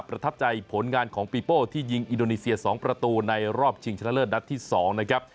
ประทับใจผลงานของปีโป้ที่ยิงอินโดนีเซีย๒ประตูในรอบชิงชนะเลิศนัดที่๒นะครับ